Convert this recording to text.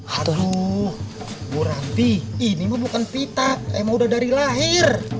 haduh bu ranti ini mah bukan petak emang udah dari lahir